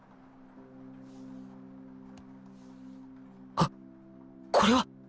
あっこれは